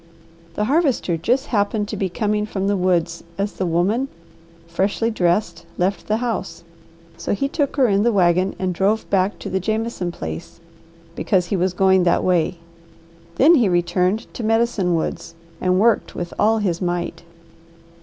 The Harvester just happened to be coming from the woods as the woman freshly dressed left the house, so he took her in the wagon and drove back to the Jameson place, because he was going that way. Then he returned to Medicine Woods and worked with all his might.